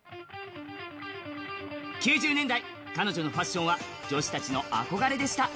９０年代彼女のファッションは女子たちの憧れでした。